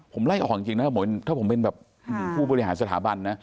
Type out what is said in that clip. ผมไล่ออกจริงนะถ้าผมเป็นแบบผู้บริหารสถาบันนะ